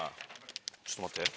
ちょっと待って。